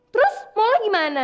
terus mau lagi mana